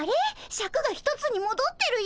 シャクが一つにもどってるよ。